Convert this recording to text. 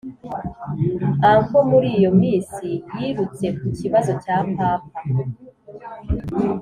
auncle muri iyo minsi yirutse ku ikibazo cya papa